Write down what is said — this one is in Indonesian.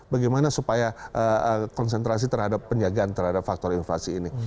bagaimana supaya konsentrasi terhadap penjagaan terhadap faktor inflasi ini